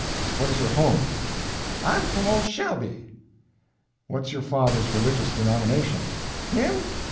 "Where is your home?" "I'm f'm old Shelby." "What's your father's religious denomination?" "Him?